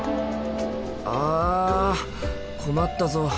あ困ったぞ。